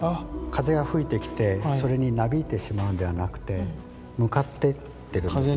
風が吹いてきてそれになびいてしまうんではなくて向かっていってるんですね。